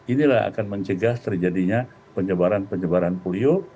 inilah akan mencegah terjadinya penyebaran penyebaran polio